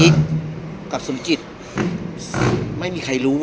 พี่อัดมาสองวันไม่มีใครรู้หรอก